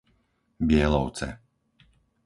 Bielovce